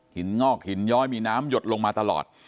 งอกหินย้อยมีน้ำหยดลงมาตลอด